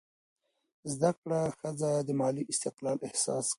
زده کړه ښځه د مالي استقلال احساس کوي.